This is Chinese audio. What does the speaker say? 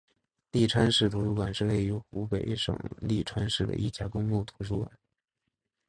利川市图书馆是位于湖北省利川市的一家公共图书馆。